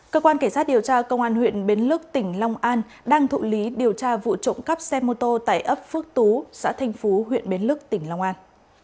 cơ quan cảnh sát điều tra công an huyện bến lức tỉnh long an đang thụ lý điều tra vụ trộm cắp xe mô tô tại ấp phước tú xã thanh phú huyện bến lức tỉnh long an